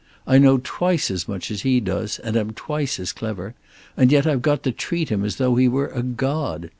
I know twice as much as he does, and am twice as clever, and yet I've got to treat him as though he were a god.